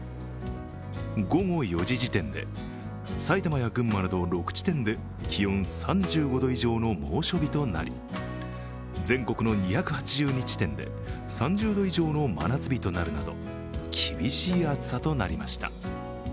午後４時時点で埼玉や群馬など６地点で気温３５度以上の猛暑日となり、全国の２８２地点で３０度以上の真夏日となるなど、厳しい暑さとなりました。